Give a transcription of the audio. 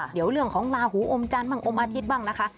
เดี๋ยวเรื่องของลาหูอมจันทร์บ้างอมอาทิตย์บ้างนะคะ